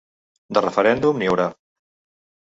De referèndum, n’hi haurà.